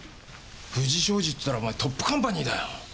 富司商事って言ったらお前トップカンパニーだよ。